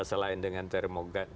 selain dengan termogan